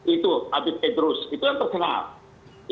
itu habib edrus itu yang terkenal